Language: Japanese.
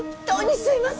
すいません。